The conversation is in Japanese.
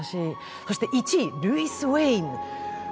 そして１位の「ルイス・ウェイン」。